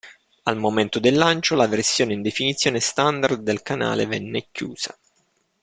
Al momento del lancio, la versione in definizione standard del canale venne chiusa.